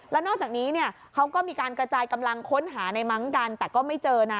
และนอกจากนี้เขาก็มีการกระจายกำลังค้นหาในมังกันแต่ไม่เจอ